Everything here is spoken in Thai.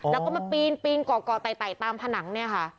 แล้วก็มาปีนปีนเกาะไต่ตามผนังเนี่ยค่ะ